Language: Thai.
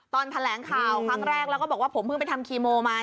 ตอนแถลงข่าวครั้งแรกแล้วก็บอกว่าผมเพิ่งไปทำคีโมมา